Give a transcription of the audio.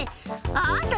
あんた